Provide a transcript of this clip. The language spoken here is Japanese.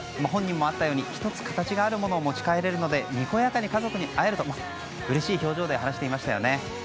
本人もあったように１つ形があるものを持ち帰れるのでにこやかに家族と会えると話していましたよね。